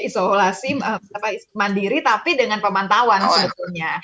isolasi mandiri tapi dengan pemantauan sebetulnya